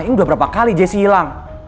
ini udah berapa kali jessy hilang